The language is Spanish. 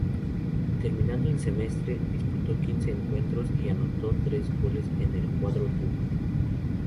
Terminado el semestre, disputó quince encuentros y anotó tres goles en el cuadro puma.